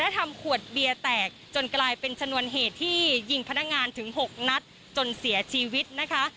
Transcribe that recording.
ทำขวดเบียร์แตกจนกลายเป็นชนวนเหตุที่ยิงพนักงานถึง๖นัดจนเสียชีวิตนะคะ